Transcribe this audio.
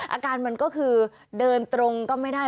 อาการมันก็คือเดินตรงก็ไม่ได้